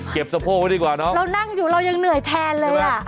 เก็บสะโพกไว้ดีกว่านะใช่ไหมเรานั่งอยู่เรายังเหนื่อยแทนเลย